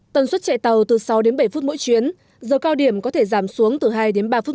tần suất chạy tàu từ sáu đến bảy phút mỗi chuyến giờ cao điểm có thể giảm xuống từ hai đến ba phút